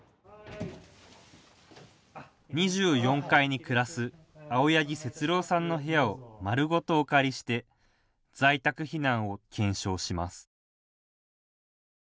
２４階に暮らす青柳節朗さんの部屋を丸ごとお借りして在宅避難を検証します。